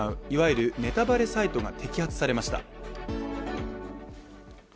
いわゆるネタバレサイト。